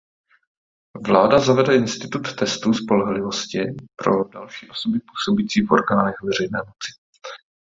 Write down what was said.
Vláda zavede institut testů spolehlivosti pro další osoby působící v orgánech veřejné moci.